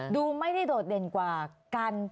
ดูไม่ได้โดดเด่นกว่ากัน